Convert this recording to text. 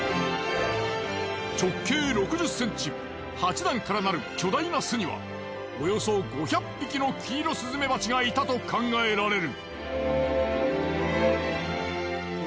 直径６０ｃｍ８段からなる巨大な巣にはおよそ５００匹のキイロスズメバチがいたと考えられる。